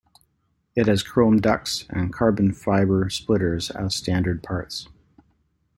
It has chrome ducts and carbon fiber splitters as standard parts.